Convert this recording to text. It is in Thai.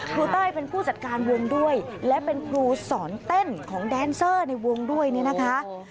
เต้ยเป็นผู้จัดการวงด้วยและเป็นครูสอนเต้นของแดนเซอร์ในวงด้วยเนี่ยนะคะ